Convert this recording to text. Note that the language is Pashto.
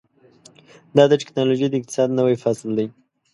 دا د ټیکنالوژۍ د اقتصاد نوی فصل دی.